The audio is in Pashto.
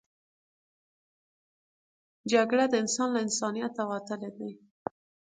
جګړه د انسان له انسانیت نه وتل دي